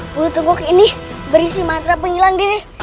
bulu tunggu ini berisi mantra penghilang diri